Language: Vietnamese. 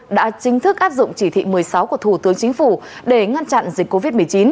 đã chính thức áp dụng chỉ thị một mươi sáu của thủ tướng chính phủ để ngăn chặn dịch covid một mươi chín